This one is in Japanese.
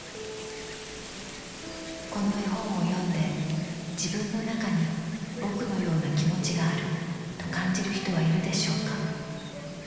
「この絵本を読んで自分のなかに『ぼく』のような気持ちがあるとかんじる人はいるでしょうか。